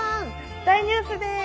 大ニュースです！